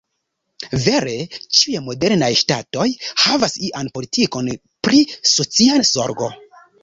Vere ĉiuj modernaj ŝtatoj havas ian politikon pri socia zorgo.